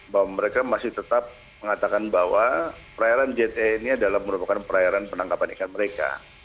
bahwa mereka masih tetap mengatakan bahwa perairan jte ini adalah merupakan perairan penangkapan ikan mereka